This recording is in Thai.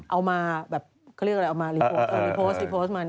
เอามาแบบเขาเรียกว่าเอามารีโพสต์เออรีโพสต์รีโพสต์มา